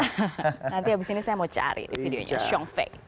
nanti abis ini saya mau cari videonya xiong fi